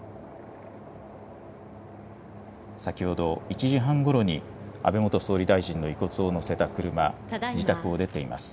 先ほど１時半ごろに、安倍元総理大臣の遺骨を乗せた車、自宅を出ています。